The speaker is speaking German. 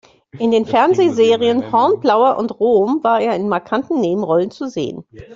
In den Fernsehserien "Hornblower" und "Rom" war er in markanten Nebenrollen zu sehen.